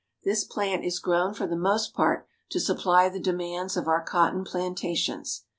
This plant is grown for the most part to supply the demands of our cotton plantations.